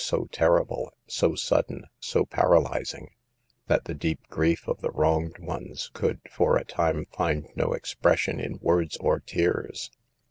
so terrible, so sudden, so paralyzing, that the deep grief of the wronged ones could for a time find no ex pression in words or tears.